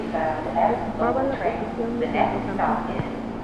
Ocupaba la posición de centrocampista.